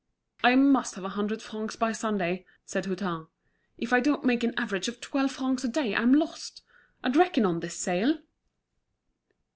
"I must have a hundred francs by Sunday," said Hutin. "If I don't make an average of twelve francs a day, I'm lost. I'd reckoned on this sale."